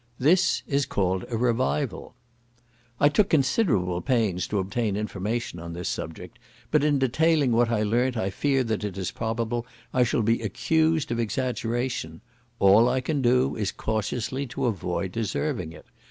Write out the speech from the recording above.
This is called a Revival. I took considerable pains to obtain information on this subject; but in detailing what I learnt I fear that it is probable I shall be accused of exaggeration; all I can do is cautiously to avoid deserving it.